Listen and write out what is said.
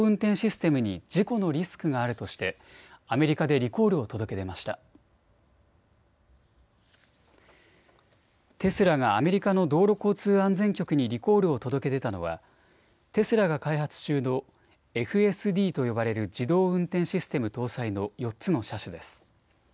テスラがアメリカの道路交通安全局にリコールを届け出たのはテスラが開発中のＦＳＤと呼ばれる自動運転システム搭載の４つの車種です。